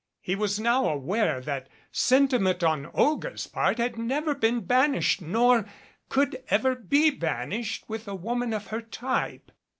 He was now aware that sentiment on Olga's part had never been banished nor could ever be banished with a woman of her type.